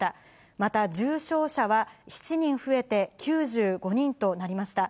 また重症者は、７人増えて９５人となりました。